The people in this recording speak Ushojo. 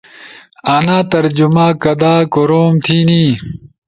آنا ترجمہ کدا کورعم تھینی؟